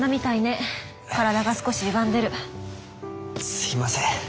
すいません。